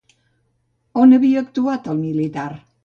On havia actuat el militar?